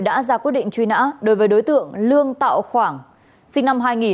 đã ra quyết định truy nã đối với đối tượng lương tạo khoảng sinh năm hai nghìn